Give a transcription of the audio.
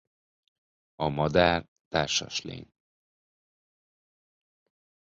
A madár társas lény.